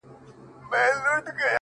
ده ناروا،